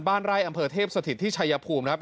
บ้านไร่อำเภอเทพสถิตที่ชายภูมิครับ